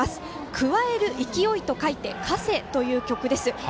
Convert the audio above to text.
加える勢いと書いて「加勢」という曲です。